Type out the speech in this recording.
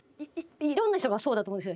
いろんな人がそうだと思うんです。